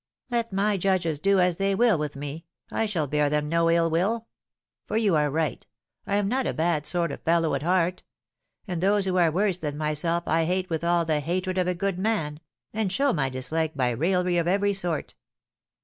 Let my judges do as they will with me, I shall bear them no ill will. For you are right; I am not a bad sort of fellow at heart; and those who are worse than myself I hate with all the hatred of a good man, and show my dislike by raillery of every sort.